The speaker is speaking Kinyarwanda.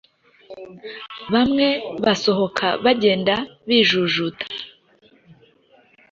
bamwe basohoka bagenda bijujuta.